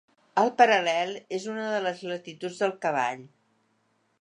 El paral·lel és una de les latituds del cavall.